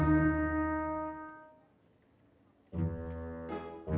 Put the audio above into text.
gak ada apa apa